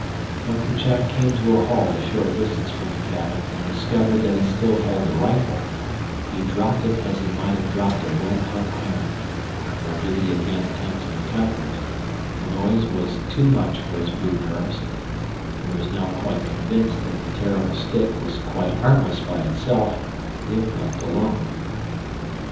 When Kerchak came to a halt a short distance from the cabin and discovered that he still held the rifle, he dropped it as he might have dropped a red hot iron, nor did he again attempt to recover it—the noise was too much for his brute nerves; but he was now quite convinced that the terrible stick was quite harmless by itself if left alone.